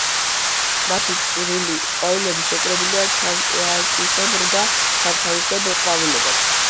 მათი წვრილი ყვავილები შეკრებილია თავაკისებრ ან თავთავისებრ ყვავილედებად.